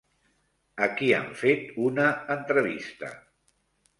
A qui han fet una entrevista?